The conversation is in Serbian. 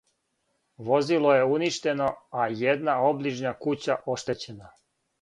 Возило је уништено, а једна оближња кућа оштећена.